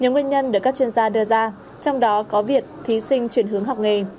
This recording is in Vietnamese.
nhiều nguyên nhân được các chuyên gia đưa ra trong đó có việc thí sinh chuyển hướng học nghề